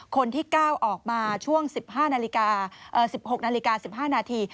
คนที่ก้าวออกมาช่วง๑๖นาฬิกา๑๕นาที